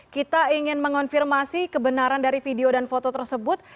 kita ingin mengonfirmasi kebenaran dari video dan foto tersebut